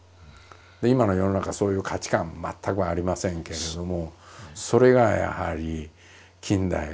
今の世の中そういう価値観全くありませんけれどもそれがやはり近代が見失っていた人間のだ